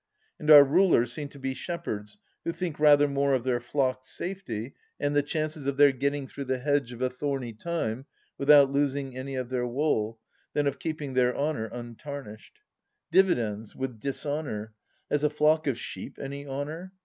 And our rulers seem to be shepherds who think rather more of their flocks' safety and the chances of their getting through the hedge of a thorny time without losing any of their wool, than of keeping their honour un tarnished. Dividends — with dishonour ! Has a flock of sheep any honour